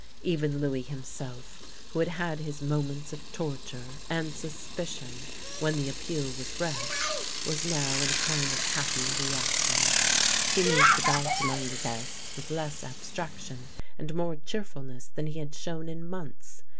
Even Louis him self, who had had his moments of torture and suspicion when the appeal was read, was nov*^ in a kind of happy ^S THE LANE THAT HAD NO TURNING • reaction. He moved about among the guests with less abstraction and more cheerfulness than he had shown in months.